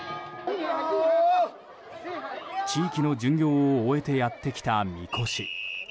地域の巡行を終えてやってきた神輿。